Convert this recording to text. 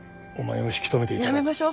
やめましょ。